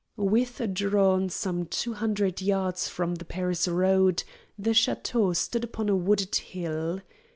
Withdrawn some two hundred yards from the Paris road, the chateau stood upon a wooded hill.